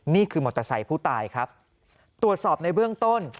นี่คือมอเตอร์ไซค์ผู้ตายครับตรวจสอบในเบื้องต้น